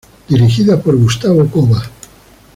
Dirigida por Gustavo Cova.